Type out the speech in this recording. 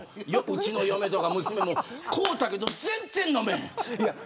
うちの嫁とか娘も買うたけど全然飲めへん。